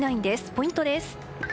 ポイントです。